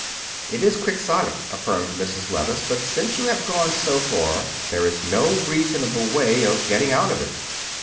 "It is Quixotic," affirmed Mrs. Levice; "but since you have gone so far, there is no reasonable way of getting out of it.